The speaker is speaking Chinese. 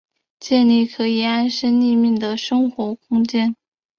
建立可以安身立命的生活空间